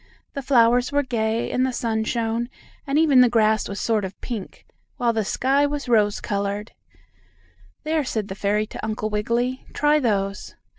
The flowers were gay, and the sun shone, and even the green grass was sort of pink, while the sky was rose colored. "There," said the fairy to Uncle Wiggily. "Try those."